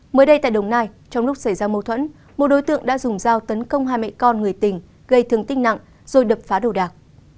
mới đây tại đồng nai trong lúc xảy ra mâu thuẫn một đối tượng đã dùng dao tấn công hai mẹ con người tình gây thương tích nặng rồi đập phá đồ đạc